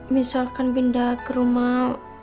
misalkan pindah ke rumah